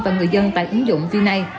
và người dân tại ứng dụng vi này